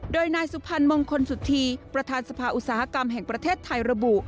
โดยนายสุพรรณมงคลสุธีประธานสภาอุตสาหกรรมแห่งประเทศไทยระบุ